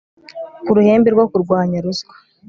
kuruhembe rwo kurwanya ruswa